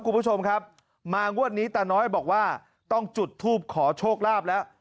คุณผู้ชมครับมางวดนี้ตาน้อยบอกว่าต้องจุดทูปขอโชคลาภแล้ว